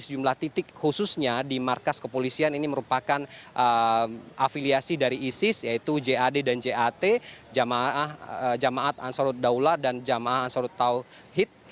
jumlah titik khususnya di markas kepolisian ini merupakan afiliasi dari isis yaitu jad dan jat jemaat ansarud daulat dan jemaat ansarud tauhid